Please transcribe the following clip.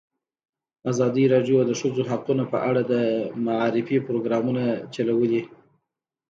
ازادي راډیو د د ښځو حقونه په اړه د معارفې پروګرامونه چلولي.